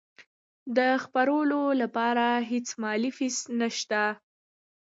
د خپرولو لپاره هیڅ مالي فیس نشته.